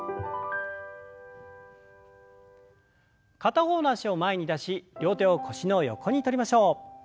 片方の脚を前に出し両手を腰の横にとりましょう。